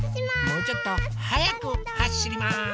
もうちょっとはやくはしります。